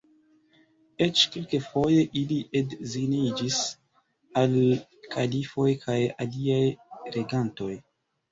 Eĉ kelkfoje ili edziniĝis al kalifoj kaj aliaj regantoj.